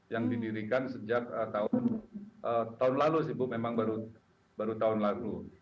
yang didirikan sejak tahun lalu sih bu memang baru tahun lalu